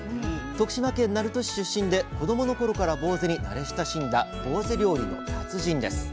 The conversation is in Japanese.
徳島県鳴門市出身で子どもの頃からぼうぜに慣れ親しんだぼうぜ料理の達人です。